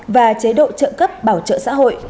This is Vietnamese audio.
và chế độ trợ cấp bảo trợ xã hội